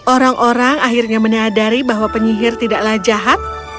orang orang akhirnya menyadari bahwa penyihir tidaklah jahat